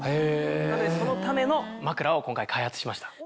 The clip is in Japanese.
そのための枕を今回開発しました。